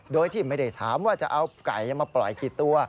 โดยที่ไม่ได้ถามว่าจะเอาไก่มาปล่อยกี่ตัว